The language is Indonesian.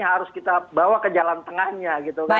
harus kita bawa ke jalan tengahnya